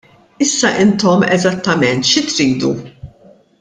Issa intom eżattament xi tridu?